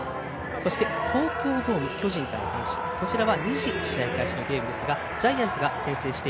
東京ドーム、巨人対阪神２時試合開始のゲームですがジャイアンツが先制。